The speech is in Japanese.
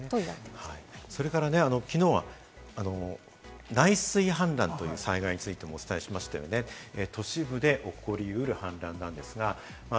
それからきのうは内水氾濫という災害についてもお伝えしましたよね、都市部で起こりうる氾濫です。